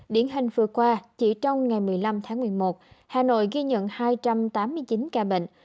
điển hình vừa qua chỉ trong ngày một mươi năm tháng một mươi một hà nội ghi nhận hai trăm tám mươi chín ca bệnh